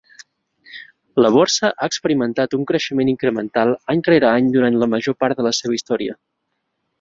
La Borsa ha experimentat un creixement incremental any rere any durant la major part de la seva història.